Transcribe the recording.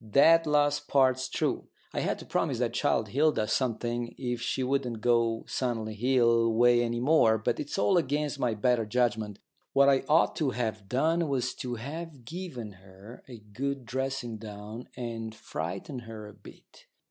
That last part's true. I had to promise that child Hilda something if she wouldn't go Sunley Hill way any more, but it's all against my better judgment. What I ought to have done was to have given her a good dressing down and frightened her a bit.